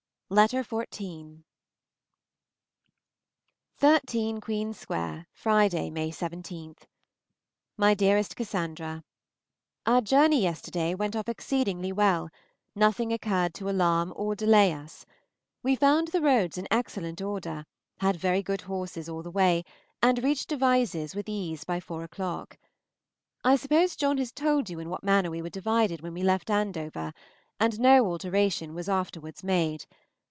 Miss AUSTEN, Godmersham Park, Faversham, Kent. XIV. 13 QUEEN'S SQUARE, Friday (May 17). MY DEAREST CASSANDRA, Our journey yesterday went off exceedingly well; nothing occurred to alarm or delay us. We found the roads in excellent order, had very good horses all the way, and reached Devizes with ease by four o'clock. I suppose John has told you in what manner we were divided when we left Andover, and no alteration was afterwards made.